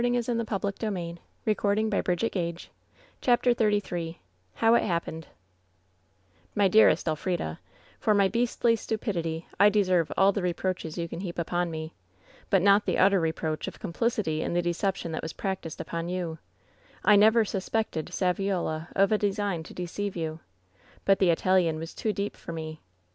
Tell me this, oh^ traitor and hypocrite V '' CHAPTER XXXIII HOW IT HAPPBNBD '*1£t dearest Elfrida, for my beastly stupidity I de serve all the reproaches you can heap upon me. But not the utter reproach of complicity in the deception that was practiced upon you. I never suspected Saviola •f a design to deceive you. But the Italian was too deep for me.